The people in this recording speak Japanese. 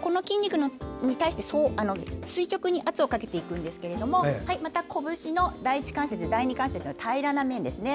この筋肉に対して垂直に圧をかけていくんですがまた拳の第１関節、第２関節の平らな面ですね。